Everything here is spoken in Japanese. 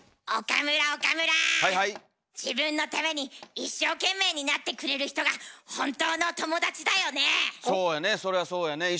自分のために一生懸命になってくれる人が本当の友達だよねえ。